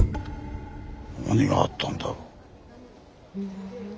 何があったんだろう。